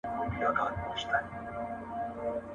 د مارگير مرگ د ماره وي.